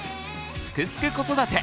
「すくすく子育て」